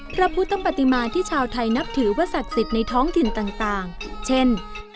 พระพุทธปฏิมาที่ชาวไทยนับถือว่าศักดิ์สิทธิ์ในท้องถิ่นต่างเช่น